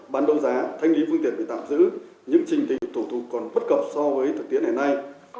bán đô giá thanh lý phương tiện bị tạm giữ những trình tự thủ tục còn bất cập so với thực tiễn hẹn nay